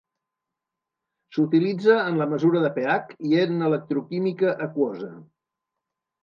S'utilitza en la mesura de pH i en electroquímica aquosa.